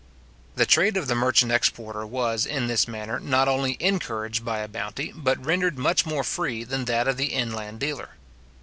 The trade of the merchant exporter was, in this manner, not only encouraged by a bounty, but rendered much more free than that of the inland dealer.